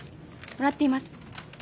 もらっています。